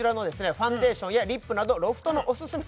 ファンデーションやリップなどロフトのオススメ